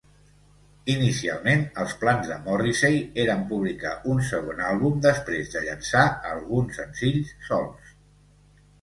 Inicialment, els plans de Morrissey eren publicar un segon àlbum després de llançar alguns senzills solts.